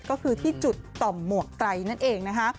ก็คือที่จุดต่อหมวดไตนั่นเอง